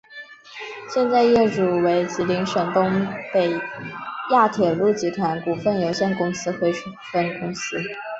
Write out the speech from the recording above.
现在业主为吉林省东北亚铁路集团股份有限公司珲春分公司。